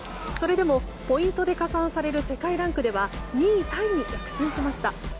それでもポイントで加算される世界ランクでは２位タイに躍進しました。